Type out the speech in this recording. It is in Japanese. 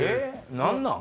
何なん？